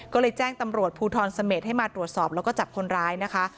ก็เลยแจ้งตำรวจภูทรเสม็ดให้มาตรวจสอบแล้วก็จับคนร้ายนะคะ